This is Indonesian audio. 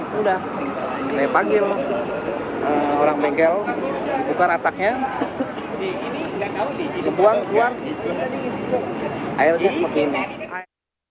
saya panggil orang bengkel buka rataknya buang buang airnya seperti ini